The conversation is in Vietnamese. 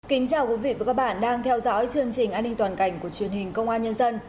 kính chào quý vị và các bạn đang theo dõi chương trình an ninh toàn cảnh của truyền hình công an nhân dân